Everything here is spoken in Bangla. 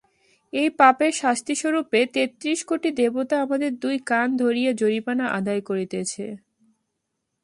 এই পাপের শাস্তিস্বরূপে তেত্রিশ কোটি দেবতা তোমাদের দুই কান ধরিয়া জরিমানা আদায় করিতেছে।